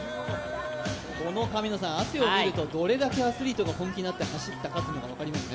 この汗を見ると、どれだけアスリートが本気で走ったのかが分かりますね。